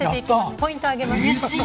ポイントあげます。